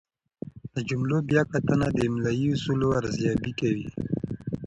د جملو بیا کتنه د املايي اصولو ارزیابي کوي.